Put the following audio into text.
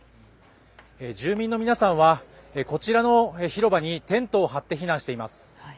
住民の皆さんは、こちらの広場にテントを張って避難しています。